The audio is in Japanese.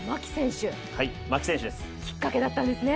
牧選手がきっかけだったんですね。